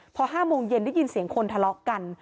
พอ๕โมงเย็นได้ยินเสียงคนทะเลาะกัน